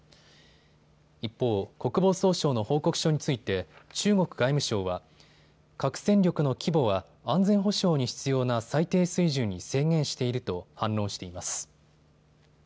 一方、国防総省の報告書について中国外務省は核戦力の規模は安全保障に必要な最低水準に制限していると反論しています。